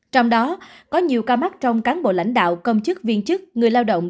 trong đó có nhiều ca mắc trong cán bộ lãnh đạo công chức viên chức người lao động